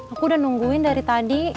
aku udah nungguin dari tadi